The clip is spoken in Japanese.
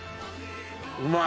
うまい。